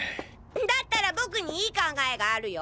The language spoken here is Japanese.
だったら僕にいい考えがあるよ。